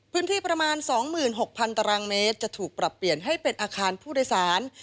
พื้นที่ประมาณ๒๖๐๐ตารางเมตรจะถูกปรับเปลี่ยนให้เป็นอาคารผู้โดยสาร